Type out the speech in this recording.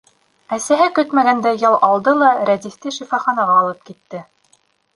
Әсәһе көтмәгәндә ял алды ла, Рәдифте шифаханаға алып китте.